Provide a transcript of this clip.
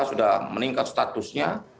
sudah meningkat statusnya